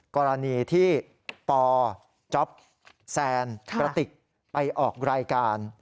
กรณีที่ป๊จ๊อปแซนกระติกไปออกรายการ